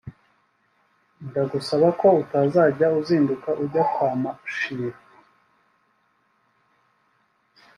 ndagusaba ko utazajya uzinduka ujya kwa Mashira